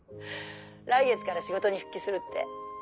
来月から仕事に復帰するって。